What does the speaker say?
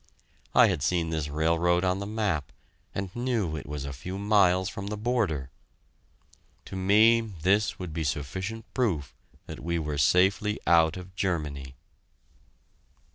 I had seen this railroad on the map, and knew it was a few miles from the border. To me, this would be sufficient proof that we were safely out of Germany.